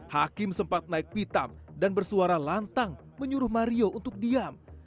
hakim sempat naik pitam dan bersuara lantang menyuruh mario untuk diam